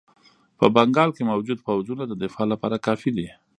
په بنګال کې موجود پوځونه د دفاع لپاره کافي دي.